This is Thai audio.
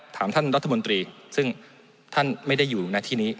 ท่านรัฐมนตรีซึ่งท่านไม่ได้อยู่ในที่นี้